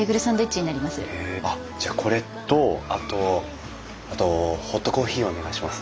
へえあっじゃあこれとあとホットコーヒーお願いします。